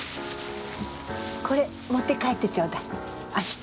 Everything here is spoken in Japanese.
これ持って帰ってちょうだい明日